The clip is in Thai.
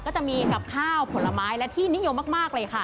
ก็จะมีกับข้าวผลไม้และที่นิยมมากเลยค่ะ